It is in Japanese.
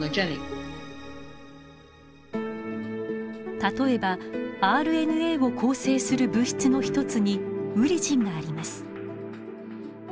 例えばＲＮＡを構成する物質の一つにウリジンがあります。